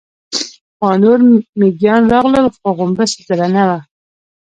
څو نور مېږيان راغلل، خو غومبسه درنه وه.